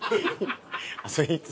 そいつ。